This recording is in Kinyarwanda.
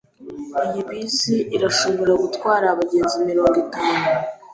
Iyi bisi irashobora gutwara abagenzi mirongo itanu.